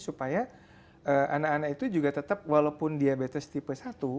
supaya anak anak itu juga tetap walaupun diabetes tipe satu